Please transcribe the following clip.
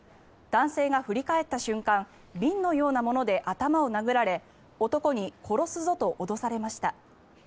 男性が振り返った瞬間瓶のようなもので頭を殴られ男に、殺すぞと脅されました。